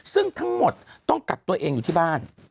ซึ่งทั้งหมดต้องกักตัวเองอยู่ที่บ้าน